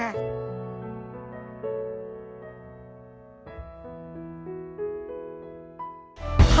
ขอบคุณค่ะ